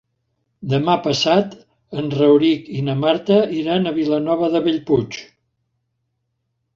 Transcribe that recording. Demà passat en Rauric i na Marta iran a Vilanova de Bellpuig.